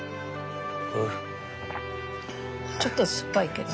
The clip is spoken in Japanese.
ちょっと酸っぱいけど。